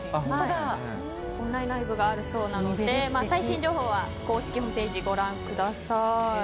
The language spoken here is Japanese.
オンラインライブがあるそうなので最新情報は公式ホームページをご覧ください。